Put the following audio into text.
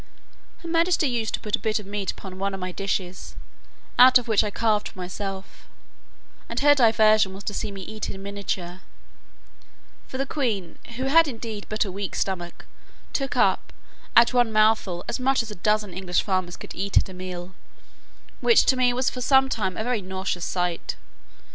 Her majesty used to put a bit of meat upon one of my dishes, out of which I carved for myself, and her diversion was to see me eat in miniature: for the queen (who had indeed but a weak stomach) took up, at one mouthful, as much as a dozen English farmers could eat at a meal, which to me was for some time a very nauseous sight.